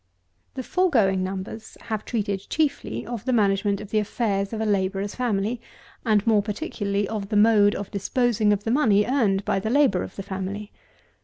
The foregoing Numbers have treated, chiefly, of the management of the affairs of a labourer's family, and more particularly of the mode of disposing of the money earned by the labour of the family.